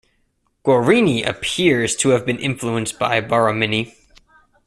Guarini appears to have been influenced by Borromini.